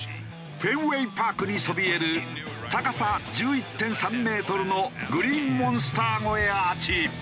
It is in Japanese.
フェンウェイ・パークにそびえる高さ１１．３メートルのグリーンモンスター越えアーチ。